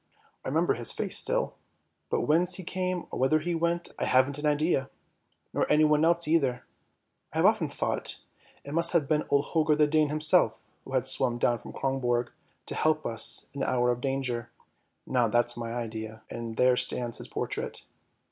I remember his face still, but whence he came or whither he went, I haven't an idea, nor anyone else either. I have often thought it must have been old Holger the Dane himself, who had swum down from Kronborg to help us in the hour of danger, now that's my idea, and there stands his portrait."